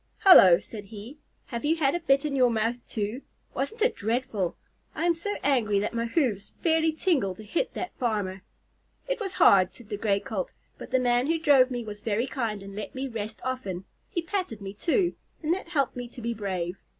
"Hallo!" said he. "Have you had a bit in your mouth too? Wasn't it dreadful? I am so angry that my hoofs fairly tingle to hit that farmer." "It was hard," said the Gray Colt, "but the man who drove me was very kind and let me rest often. He patted me, too, and that helped me to be brave.